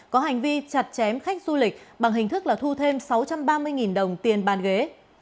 có hành vi chặt chém khách du lịch bằng hình thức là thu thêm sáu trăm ba mươi đồng tiền bàn ghế